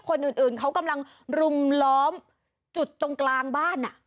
คนอื่นเขากำลังรุมล้อมจุดตรงกลางบ้าน